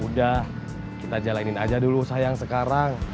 udah kita jalanin aja dulu sayang sekarang